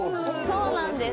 そうなんです